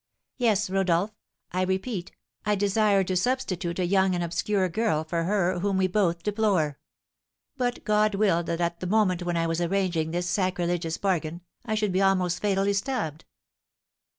Yes, Rodolph, I repeat I desired to substitute a young and obscure girl for her whom we both deplore; but God willed that at the moment when I was arranging this sacrilegious bargain, I should be almost fatally stabbed!"